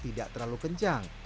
tidak terlalu kencang